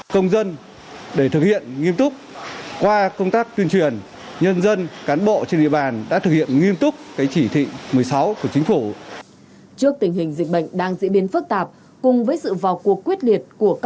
không để dịch vụ y tế không để dịch vụ y tế